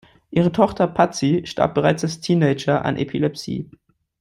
Ihre Tochter Patsy starb bereits als Teenager an Epilepsie.